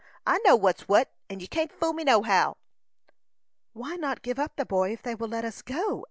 I know what's what, 'n you can't fool me, nohow." "Why not give up the boy, if they will let us go?"